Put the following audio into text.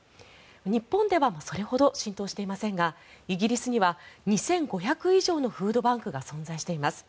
日本ではそれほど浸透していませんがイギリスには２５００以上のフードバンクが存在しています。